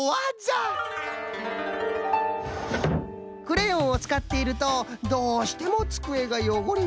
クレヨンをつかっているとどうしてもつくえがよごれちゃう。